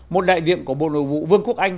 một đại diện của bộ nội vụ vương quốc anh